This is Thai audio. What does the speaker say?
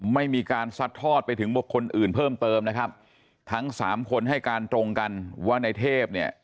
ไม่มีการซัดทอดไปถึงบุคคลอื่นเพิ่มเติมนะครับทั้งสามคนให้การตรงกันว่าในเทพเนี่ย